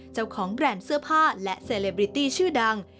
แบรนด์เสื้อผ้าและเซเลบริตี้ชื่อดัง